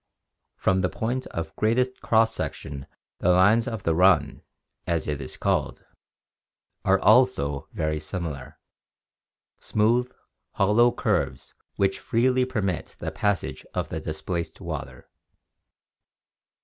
From the point of greatest cross section the lines of the "run," as it is called, are also very similar — smooth, hollow curves which freely permit the passage of the displaced water.